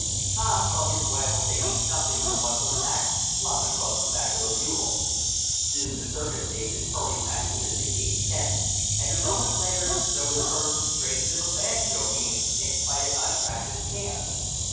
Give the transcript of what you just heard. Tom saw his rival taking something from one of the packs slung across the back of a mule. Soon the circus agent hurried back into the king's hut, and a moment later there was heard the strains of a banjo being picked by an unpracticed hand.